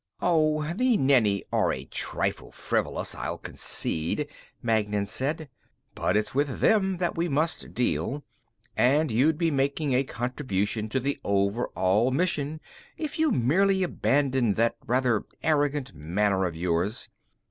"Oh, the Nenni are a trifle frivolous, I'll concede," Magnan said. "But it's with them that we must deal. And you'd be making a contribution to the overall mission if you merely abandoned that rather arrogant manner of yours."